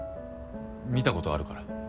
観たことあるから。